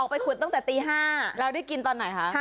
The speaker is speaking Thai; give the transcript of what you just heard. แล้วได้กินตอนไหนคะแล้วก็ได้กินตอนไหนคะ